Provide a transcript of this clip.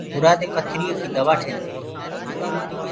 اورآ دي پٿريو ڪي دوآ ٺآندآ هينٚ۔